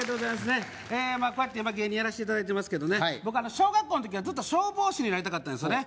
ねっこうやって芸人やらしていただいてますけどね僕小学校の時はずっと消防士になりたかったんですよね